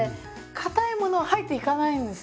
かたいもの入っていかないんです。